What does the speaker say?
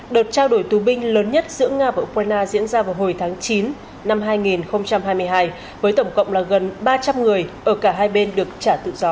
đợt trao đổi tù binh lớn nhất giữa nga và ukraine diễn ra vào hồi tháng chín năm hai nghìn hai mươi hai với tổng cộng là gần ba trăm linh người ở cả hai bên được trả tự do